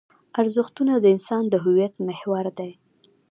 ارزښتونه د انسان د هویت محور دي.